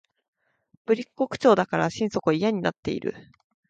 ぶりっ子口調だから心底嫌になっている